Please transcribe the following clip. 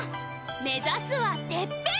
目指すはてっぺん！